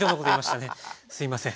すいません